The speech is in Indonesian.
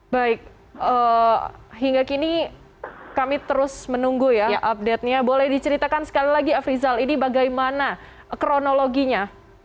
baik hingga kini kami terus menunggu ya update nya boleh diceritakan sekali lagi afrizal ini bagaimana kronologinya